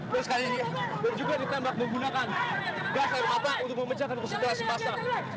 dan sekarang ini juga ditembak menggunakan gas mapa untuk memecahkan konsentrasi massa